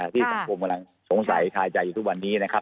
ที่สังคมกำลังสงสัยคายใจอยู่ทุกวันนี้นะครับ